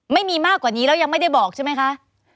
ไม่มีมากกว่านี้แล้วยังไม่ได้บอกใช่ไหมคะ